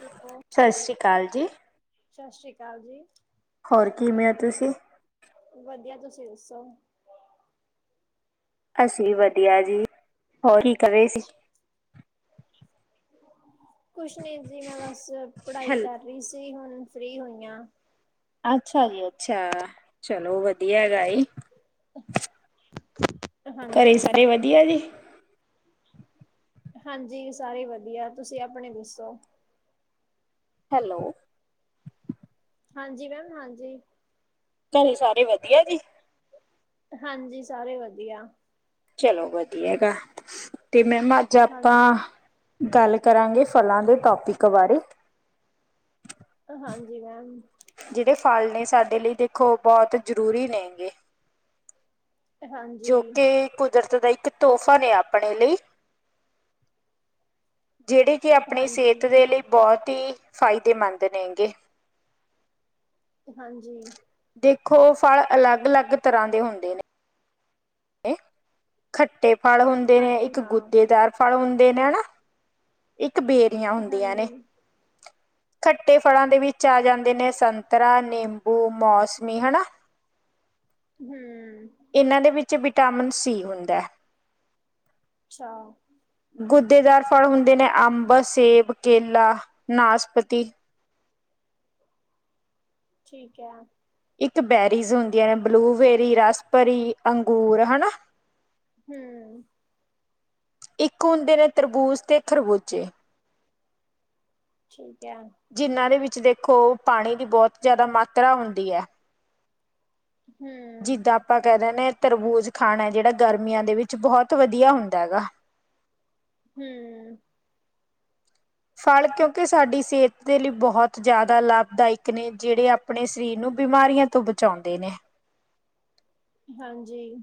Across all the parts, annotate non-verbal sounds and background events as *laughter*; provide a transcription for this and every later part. ਜੰਮੂ ਸਤਿ ਸ਼੍ਰੀ ਅਕਾਲ ਜੀ ਸਤਿ ਸ੍ਰੀ ਅਕਾਲ ਜੀ ਹੋਰ ਕਿਵੇਂ ਏ ਤੁਸੀਂ ਵਧੀਆ ਤੁਸੀਂ ਦੱਸੋ ਅਸੀਂ ਵਧੀਆ ਜੀ ਹੋਰ ਕੀ ਕਰ ਰਹੇ ਸੀ ਕੁਛ ਨਹੀਂ ਜੀ ਮੈਂ ਬਸ ਪੜ੍ਹਾਈ ਹੈਲ ਕਰ ਰਹੀ ਸੀ ਹੁਣ ਫਰੀ ਹੋਈ ਹਾਂ ਅੱਛਾ ਜੀ ਅੱਛਾ ਚਲੋ ਵਧੀਆ ਹੈਗਾ ਘਰੇ ਹਾਂਜੀ ਸਾਰੇ ਵਧੀਆ ਜੀ ਹਾਂਜੀ ਸਾਰੇ ਵਧੀਆ ਤੁਸੀਂ ਆਪਣੇ ਦੱਸੋ ਹੈਲੋ ਹਾਂਜੀ ਮੈਮ ਹਾਂਜੀ ਘਣੇ ਸਾਰੇ ਵਧੀਆ ਜੀ ਹਾਂਜੀ ਸਾਰੇ ਵਧੀਆ ਚਲੋ ਵਧੀਆ ਹੈਗਾ ਤੇ ਮੈ ਅੱਜ ਆਪਾਂ ਹਾਂਜੀ ਗੱਲ ਕਰਾਂਗੇ ਫਲਾਂ ਦੇ ਟੋਪਿਕ ਬਾਰੇ ਹਾਂਜੀ ਮੈਮ ਜਿਹੜੇ ਫਲ ਨੇ ਸਾਡੇ ਲਈ ਦੇਖੋ ਬਹੁਤ ਜ਼ਰੂਰੀ ਨੇਗੇ ਜੋ ਹਾਂਜੀ ਕਿ ਕੁਦਰਤ ਦਾ ਇੱਕ ਤੋਹਫ਼ਾ ਨੇ ਆਪਣੇ ਲਈ ਜਿਹੜੇ ਕਿ ਆਪਣੀ ਹਾਂਜੀ ਸਿਹਤ ਦੇ ਲਈ ਬਹੁਤ ਹੀ ਫਾਇਦੇਮੰਦ ਨੇਗੇ ਹਾਂਜੀ ਦੇਖੋ ਫਲ ਅਲੱਗ ਅਲੱਗ ਤਰ੍ਹਾਂ ਦੇ ਹੁੰਦੇ ਨੇ ਖੱਟੇ ਫਲ ਹੁੰਦੇ ਨੇ ਹਾਂਜੀ ਇੱਕ ਹਾਂ ਗੁਦੇਦਾਰ ਫਲ ਹੁੰਦੇ ਨੇ ਹਨਾ ਇੱਕ ਬੇਰੀਆਂ ਹੁੰਦੀਆਂ ਨੇ ਹਾਂਜੀ ਖੱਟੇ ਫਲਾਂ ਦੇ ਵਿੱਚ ਆ ਜਾਂਦੇ ਨੇ ਸੰਤਰਾ ਨਿੰਬੂ ਮੌਸਮੀ ਹਨਾ ਹਮ ਇਹਨਾਂ ਦੇ ਵਿੱਚ ਵਿਟਾਮਿਨ ਸੀ ਹੁੰਦਾ ਅੱਛਾ ਗੁਦੇਦਾਰ ਫਲ ਹੁੰਦੇ ਨੇ ਅੰਬ ਸੇਬ ਕੇਲਾ ਨਾਸਪਤੀ ਠੀਕ ਹੈ ਇੱਕ ਬੇਰੀਜ਼ ਹੁੰਦੀਆਂ ਨੇ ਬਲੂਬੇਰੀ ਰਸਪਰੀ ਅੰਗੂਰ ਹਨਾ ਹਮ ਇੱਕ ਹੁੰਦੇ ਨੇ ਤਰਬੂਜ਼ ਅਤੇ ਖਰਬੂਜੇ ਠੀਕ ਹੈ। ਜਿਨਾਂ ਦੇ ਵਿੱਚ ਦੇਖੋ ਪਾਣੀ ਦੀ ਬਹੁਤ ਜ਼ਿਆਦਾ ਮਾਤਰਾ ਹੁੰਦੀ ਹੈ। ਹਮ ਜਿੱਦਾਂ ਆਪਾਂ ਕਹਿ ਦਿੰਦੇ ਤਰਬੂਜ਼ ਖਾਣਾ ਜਿਹੜਾ ਗਰਮੀਆਂ ਦੇ ਵਿੱਚ ਬਹੁਤ ਵਧੀਆ ਹੁੰਦਾ ਹੈਗਾ ਹੂ,,, ਸਾਲ ਕਿਉਂਕਿ ਸਾਡੀ ਸਿਹਤ ਦੇ ਲਈ ਬਹੁਤ ਜ਼ਿਆਦਾ ਲਾਭਦਾਇਕ ਨੇ ਜਿਹੜੇ ਆਪਣੇ ਸਰੀਰ ਨੂੰ ਬਿਮਾਰੀਆਂ ਤੋਂ ਬਚਾਉਂਦੇ ਨੇ ਹਾਂਜੀ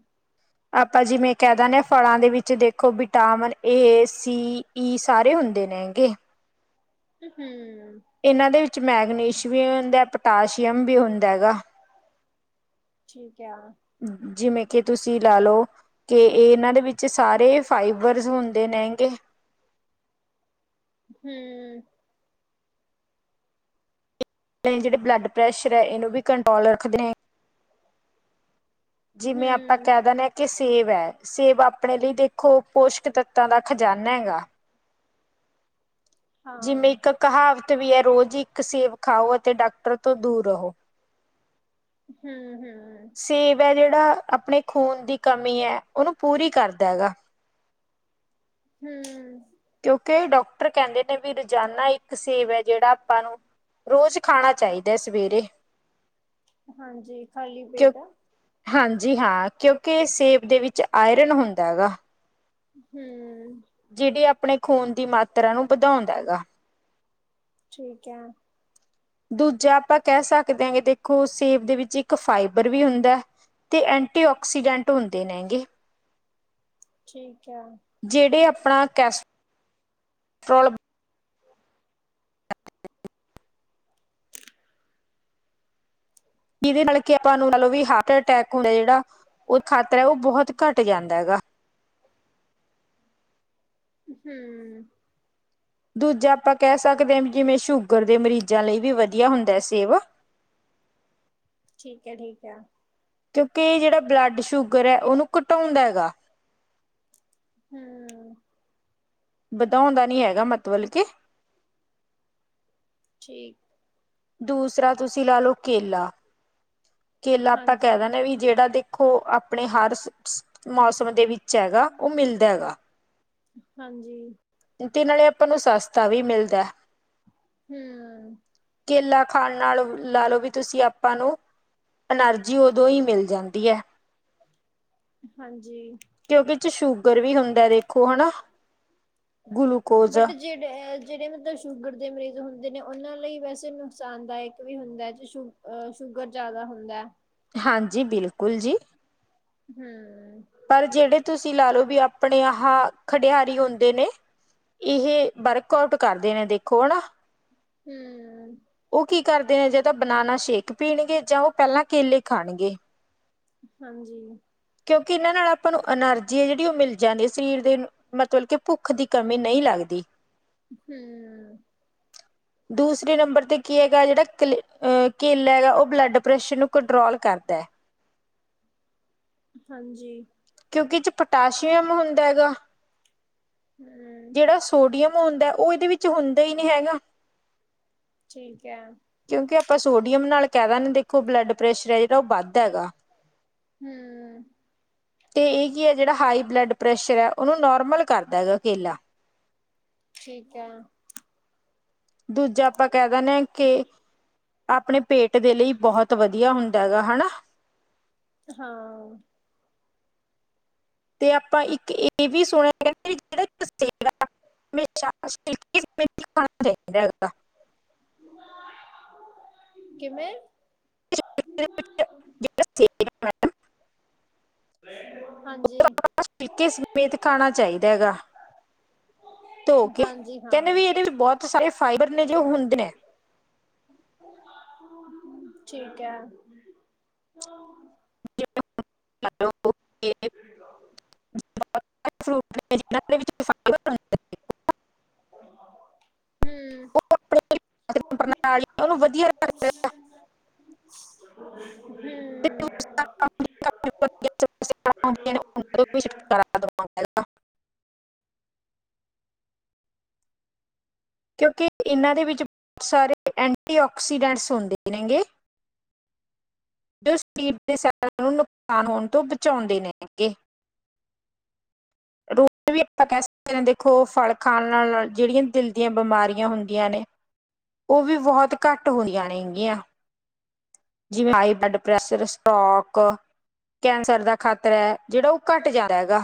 ਆਪਾਂ ਜਿਵੇਂ ਕਹਿ ਦਿੰਦੇ ਹਾਂ ਫਲਾਂ ਦੇ ਵਿੱਚ ਦੇਖੋ ਵਿਟਾਮਿਨ ਏ ਸੀ ਸਾਰੇ ਹੁੰਦੇ ਨੇ ਹੈਗੇ ਹੂ,,, ਇਹਨਾਂ ਦੇ ਵਿੱਚ ਮੈਗਨੀਸ਼ ਵੀ ਹੁੰਦਾ ਪੋਟਾਸ਼ੀਅਮ ਵੀ ਹੁੰਦਾ ਹੈਗਾ ਠੀਕ ਹੈ। ਜਿਵੇਂ ਕਿ ਤੁਸੀਂ ਲਾ ਲੋ ਕਿ ਇਹ ਇਹਨਾ ਦੇ ਵਿਚ ਸਾਰੇ ਫਾਈਬਰਸ ਹੁੰਦੇ ਨੇ ਹੇਗੇ। ਹੂੰ,,, ਜਿਹੜੇ ਬਲੱਡ ਪ੍ਰੈਸ਼ਰ ਹੈ। ਇਹਨੂੰ ਵੀ ਕੰਟਰੋਲ ਰੱਖਦੇ ਨੇ- ਜਿਵੇਂ ਆਪਾਂ ਹੂੰ ਕਹਿ ਦਿੰਦੇ ਹਾਂ। ਕਿ ਸੇਬ ਹੈ। ਸੇਬ ਆਪਣੇ ਲਈ ਦੇਖੋ ਪੋਸ਼ਕ ਤੱਤਾਂ ਦਾ ਖਜਾਨਾ ਹੈਗਾ। ਜਿਵੇਂ ਹਾਂ ਇਕ ਕਹਾਵਤ ਵੀ ਹੈ। ਰੋਜ਼ ਇਕ ਸੇਬ ਖਾਓ ਅਤੇ ਡਾਕਟਰ ਤੋਂ ਦੂਰ ਰਹੋ- ਹੂੰ- ਹੂੰ ਸੇਬ ਹੈ। ਜਿਹੜਾ ਆਪਣੇ ਖੂਨ ਦੀ ਕਮੀ ਹੈ। ਉਹਨੂੰ ਪੂਰੀ ਕਰਦਾ ਹੈਗਾ। ਹੂੰ,,, ਕਿਉਂਕਿ ਡਾਕਟਰ ਕਹਿਦੇ ਨੇ ਵੀ ਰੋਜ਼ਾਨਾ ਇੱਕ ਸੇਵ ਹੈ। ਜਿਹੜਾ ਆਪਾਂ ਨੂੰ- ਰੋਜ਼ ਖਾਣਾ ਚਾਹੀਦਾ ਸਵੇਰੇ- ਹਾਂਜੀ ਖਾਲੀ ਕਿਉਂ ਪੇਟ ਆ। ਹਾਂਜੀ ਹਾਂ ਕਿਉਂਕਿ ਸੇਬ ਦੇ ਵਿਚ ਆਇਰਨ ਹੁੰਦਾ ਹੈਗਾ। ਹੂੰ,,, ਜਿਹੜੀ ਆਪਣੇ ਖੂਨ ਦੀ ਮਾਤਰਾ ਨੂੰ ਵਧਾਉਦਾ ਹੈਗਾ। ਠੀਕ ਹੈ। ਦੂਜਾ ਆਪਾਂ ਕਹਿ ਸਕਦੇ ਹਾਂ ਕਿ ਦੇਖੋ ਸੇਬ ਦੇ ਵਿਚ ਇਕ ਫਾਈਬਰ ਵੀ ਹੁੰਦਾ। ਤੇ ਐਂਟੀਆਕਸੀਡੈਂਟ ਹੁੰਦੇ ਨੇ ਗੇ। ਠੀਕ ਹੈ। ਜਿਹੜੇ ਆਪਣਾ ਕੈਸੋਲ- ਜਿਹਦੇ ਨਾਲ ਕਿ ਆਪਾ ਨੂੰ ਲਓ ਵੀ ਹਾਰਟ ਅਟੈਕ ਹੁੰਦਾ ਜਿਹੜਾ ਉਹ ਖਾਤਰ ਹੈ। ਉਹ ਬਹੁਤ ਘੱਟ ਜਾਂਦਾ ਹੈਗਾ। ਹੂੰ,,, ਦੂਜਾ ਆਪਾਂ ਕਹਿ ਸਕਦੇ ਹਾਂ ਵੀ ਜਿਵੇ ਸ਼ੂਗਰ ਦੇ ਮਰੀਜ਼ਾਂ ਲਈ ਵੀ ਵਧੀਆ ਹੁੰਦਾ ਹੈ। ਸੇਵ- ਠੀਕ ਹੈ ਠੀਕ ਹੈ। ਕਿਉਂਕਿ ਇਹ ਜਿਹੜਾ ਬਲੱਡ ਸ਼ੂਗਰ ਹੈ। ਉਹਨੂੰ ਘਟਾਉਂਦਾ ਹੈਗਾ। ਹੂੰ,,, ਵਧਾਉਣ ਦਾ ਨੀ ਹੈਗਾ ਮਤਲਬ ਕੇ- ਠੀਕ- ਦੂਸਰਾ ਤੁਸੀਂ ਲਾ ਲਓ ਕੇਲਾ ਕੇਲਾ ਆਪਾਂ ਹਾਂਜੀ ਕਹਿ ਦਿੰਦੇ ਵੀ- ਜਿਹੜਾ ਦੇਖੋ ਆਪਣੇ ਹਰ ਮੌਸਮ ਦੇ ਵਿਚ ਹੈਗਾ ਉਹ ਮਿਲਦਾ ਹੈਗਾ। ਹਾਂਜੀ- ਤੇ ਨਾਲੇ ਆਪਾ ਨੂੰ ਸੱਸ ਦਾ ਮਿਲਦਾ ਹੈ। ਹੂੰ - ਕੇਲਾ ਖਾਣ ਨਾਲ ਲਾ ਲਓ ਵੀ ਤੁਸੀ ਆਪਾ ਨੂੰ- ਐਨਰਜੀ ਉਦੋਂ ਹੀ ਮਿਲ ਜਾਦੀ ਹੈ। ਹਾਂਜੀ। ਕਿਉਕਿ ਸ਼ੂਗਰ ਵੀ ਹੁੰਦਾ ਦੇਖੋ ਹਨਾ। ਗਲੂਕੋਸ- ਬਟ ਜਿਹੜੇ ਮਤਲਬ ਸ਼ੂਗਰ ਦੇ ਮਰੀਜ਼ ਹੁੰਦੇ ਨੇ ਉਹਨਾ ਲਈ ਵੈਸੇ ਨੁਕਸਾਨ ਦਾਇਕ ਵੀ ਹੁੰਦਾ ਹੈ। ਜ ਸ਼ੂ- ਅ ਸ਼ੂਗਰ ਜ਼ਿਆਦਾ ਹੁੰਦਾ। ਹਾਂਜੀ। ਬਿਲਕੁਲ ਜੀ- ਹੂੰ - ਪਰ ਜਿਹੜੇ ਤੁਸੀ ਲਾ ਲਓ ਵੀ ਆਪਣੇ ਆ ਖੇਡਿਆਰੀ ਹੁੰਦੇ ਨੇ- ਇਹ ਵਰਕ ਆਊਟ ਕਰਦੇ ਨੇ ਦੇਖੋ ਹਨਾ। ਹੂੰ - ਉਹ ਕੀ ਕਰਦੇ ਨੇ, ਜੇਦਾ ਬਨਾਨਾ ਸ਼ੇਕ ਪੀਣਗੇ ਜਾਂ ਉਹ ਪਹਿਲਾਂ ਕੇਲੇ ਖਾਣਗੇ। ਹਾਂਜੀ। ਕਿਉਕਿ ਇਹਨਾਂ ਨਾਲ ਆਪਾ ਨੂੰ ਐਨਰਜੀ ਹੈ ਜਿਹੜੀ ਉਹ ਮਿਲ ਜਾਦੀ ਹੈ। ਸਰੀਰ ਦੇ- ਮਤਲਬ ਕਿ ਭੁੱਖ ਦੀ ਕਮੀ ਨਹੀ ਲਗਦੀ। ਹੂੰ - ਦੂਸਰੇ ਨੰਬਰ ਤੇ ਕੀ ਹੈਗਾ ਜੇੜਾ ਕਲੇ ਅ ਕਿਲ ਹੈਗਾ, ਔ ਬਲੱਡ ਪ੍ਰੇਸ਼ਰ ਨੂੰ ਕੰਟਰੋਲ ਕਰਦਾ। ਹਾਂਜੀ। ਕਿਉਂਕਿ ਉ ਚ' ਪੋਟਾਸ਼ੀਅਮ ਹੁੰਦਾ ਹੈਗਾ। ਹਮ ਜੇੜਾ ਸੋਡੀਅਮ ਹੁੰਦਾ ਓਹ ਇਦੇ ਵਿੱਚ ਹੁੰਦਾ ਹੀ ਨੀ ਹੈਗਾ। ਠੀਕ ਹੈ। ਕਿਉਂਕਿ ਆਪਾਂ ਸੋਡੀਅਮ ਨਾਲ ਕੈ ਦਣ ਦੇਖੋ ਬਲੱਡ ਪ੍ਰੈਸ਼ਰ ਹੈ ਜੇੜਾ ਓਹ ਵੱਧ ਹੈਗਾ। ਹੂੰ ਤੇ ਏਹ ਕੀ ਐ ਜੇੜਾ ਹਾਈ ਬਲੱਡ ਪ੍ਰੈਸ਼ਰ ਐ ਓਹਨੂੰ ਨੋਰਮਲ ਕਰਦਾ ਹੈਗਾ ਕੇਲਾ। ਠੀਕ ਹੈ। ਦੂਜਾ ਆਪਾਂ ਕੈ ਦਣੇ ਆ ਕਿ ਆਪਣੇ ਪੇਟ ਦੇ ਲਈ ਬਹੋਤ ਵਧੀਆ ਹੁੰਦਾ ਹੈਗਾ, ਹਨਾ। ਹਾਂ। ਤੇ ਆਪਾਂ ਇੱਕ ਇਹ ਵੀ ਸੁਣਿਆ *unintelligible* *unintelligible* ਕਿਵੇਂ? *unintelligible* ਹਾਂਜੀ *unintelligible* ਪੀਕੇ ਸਮੇਤ ਖਾਣਾ ਚਾਈਦਾ ਹੈਗਾ। ਧੋਕੇ। ਹਾਂਜੀ ਕੈੰਦੇ ਹਾਂ ਵੀ ਐਦੇ ਵੀ ਬੋਤ ਸਾਰੇ ਫਾਈਬਰ ਨੇ ਜੋ ਹੁੰਦ ਨੇ। ਠੀਕ ਐ। *unintelligible* ਸਿਰੀ ਰਾਵਣ। *unintelligible* ਫਾਈਬਰ ਹੁੰਦੇ ਨੇ ਉਹ ਆਪਣੇ ਜਿਹੜੀ ਹੂ ਪਾਚਨ ਪ੍ਰਣਾਲੀ ਹੈ, ਉਹਨੂੰ ਵਧੀਆ ਰੱਖਦਾ ਹੈਗਾ *unintelligible* ਤੇ ਦੂਸਰਾ ਹੂ *unintelligible* ਰੈਡ ਕਲਰ ਨੇ ਦਾ *unintelligible* ਉਹਨਾਂ ਤੋਂ ਵੀ ਕਿੱਥੇ ਹੈ? ਛੁਟਕਾਰਾ ਦਿਵਾਉਂਦਾ ਹੈਗਾ ਕਿਉਂਕਿ ਇਨਾਂ ਦੇ ਵਿੱਚ, ਸਾਰੇ ਐਂਟੀਆਕਸੀਡੈਂਟਸ ਹੁੰਦੇ ਨੇਗੇ। ਤੇ ਓ ਸਪੀਡ ਦੇ, ਸਾਨੂੰ ਨੁਕਸਾਨ ਹੋਣ ਤੋਂ ਬਚਾਉਂਦੇ ਨੇ ਗੇ। *inaudible* ਰੋਟੀ ਵੀ ਆਪਾਂ ਕੈ ਸਕਦੇ ਹਾਂ, ਦੇਖੋ ਫਲ ਖਾਣ ਨਾਲ ਜੇੜੀਆਂ ਦਿਲ ਦੀਆਂ ਬਿਮਾਰੀਆਂ ਹੁੰਦੀਆਂ ਨੇ ਓ ਵੀ, ਬਹੁਤ ਘੱਟ ਹੋਈਆਂ ਨੇ ਗੀਆਂ। ਜਿਵੇਂ, high blood pressure, stroke. Cancer ਦਾ ਖਾਤਰਾ ਐ ਜੇੜਾ ਓਹ ਘੱਟ ਜਾ ਹੈਗਾ।